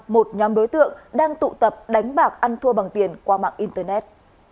một nhóm đối tượng đang tụ tập đánh bạc ăn thua bằng tiền qua mạng internet